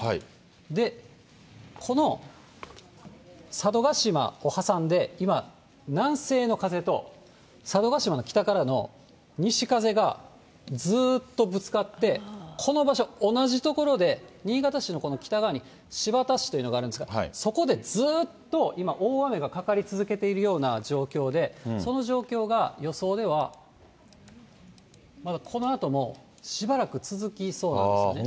で、この佐渡島を挟んで、今、南西の風と、佐渡島の北からの西風がずーっとぶつかって、この場所、同じ所で、新潟市のこの北側に新発田市というのがあるんですが、そこでずっと今、大雨がかかり続けているような状況で、その状況が、予想ではこのあともしばらく続きそうなんですね。